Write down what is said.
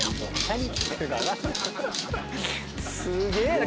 すげぇな！